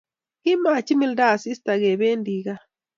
komachimilta asis kebendi kaa